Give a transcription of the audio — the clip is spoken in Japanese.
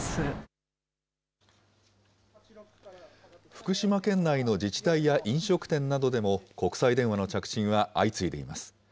福島県内の自治体や飲食店などでも、国際電話の着信は相次いでいます。